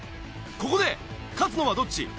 ここで勝つのはどっち？